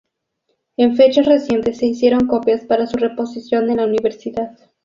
En fechas recientes se hicieron copias para su reposición en la Universidad.